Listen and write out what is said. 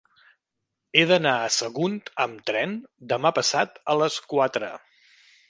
He d'anar a Sagunt amb tren demà passat a les quatre.